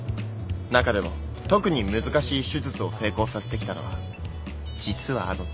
中でも特に難しい手術を成功させてきたのは実はあの田淵先生だ。